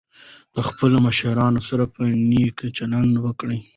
د خپلو مشتریانو سره په نېکۍ چلند وکړئ.